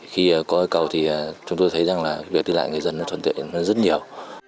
khi có cây cầu thì chúng tôi thấy rằng việc đi lại người dân thuận tiện rất nhiều